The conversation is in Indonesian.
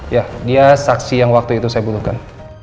ya dia saksi yang waktu itu saya butuhkan